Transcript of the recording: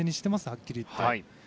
はっきりいって。